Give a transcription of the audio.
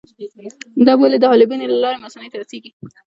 دا بولې د حالبینو له لارې مثانې ته رسېږي.